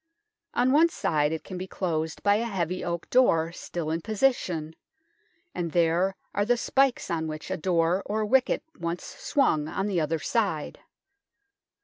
On one side it can be closed by a heavy oak door still in position, and there are the spikes on which a door or wicket once swung on the other side.